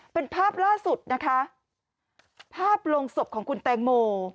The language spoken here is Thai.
เป็นภาพล่าสุดนะคะภาพลงศพของคุณแตงโม